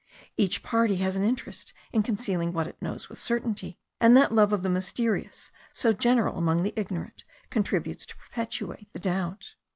Each party has an interest in concealing what it knows with certainty; and that love of the mysterious, so general among the ignorant, contributes to perpetuate the doubt.